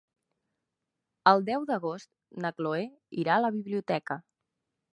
El deu d'agost na Chloé irà a la biblioteca.